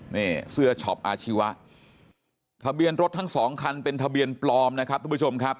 นี่เสื้อช็อปอาชีวะทะเบียนรถทั้งสองคันเป็นทะเบียนปลอมนะครับทุกผู้ชมครับ